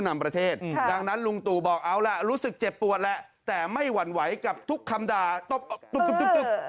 แม่ไม่หวั่นไหวกับทุกคำด่าตุ๊บตุ๊บตุ๊บ